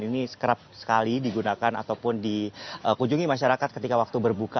ini serap sekali digunakan ataupun di kunjungi masyarakat ketika waktu berbuka